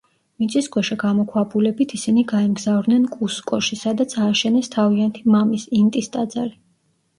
მიწისქვეშა გამოქვაბულებით, ისინი გაემგზავრნენ კუსკოში, სადაც ააშენეს თავიანთი მამის, ინტის ტაძარი.